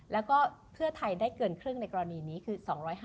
แล้วก็เพื่อไทยได้เกินครึ่งในกรณีนี้คือ๒๕๐